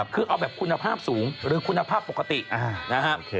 คือเอาแบบคุณภาพสูงหรือคุณภาพปกตินะครับ